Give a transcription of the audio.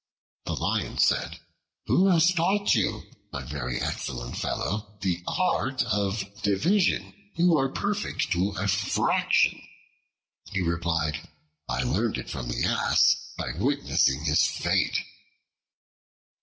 The Lion said, "Who has taught you, my very excellent fellow, the art of division? You are perfect to a fraction." He replied, "I learned it from the Ass, by witnessing his fate."